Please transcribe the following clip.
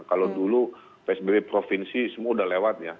kalau dulu psbb provinsi semua sudah lewat ya